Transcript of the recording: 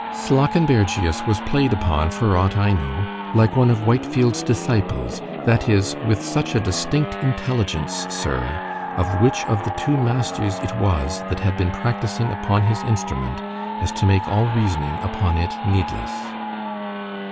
Slawkenbergius was play'd upon, for aught I know, like one of Whitefield's disciples——that is, with such a distinct intelligence, Sir, of which of the two masters it was that had been practising upon his instrument——as to make all reasoning upon it needless.